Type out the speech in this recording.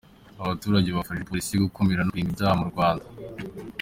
abaturage bafashije Polisi gukumira no kurinda ibyaha mu Rwanda.